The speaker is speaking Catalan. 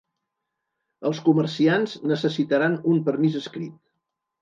Els comerciants necessitaran un permís escrit.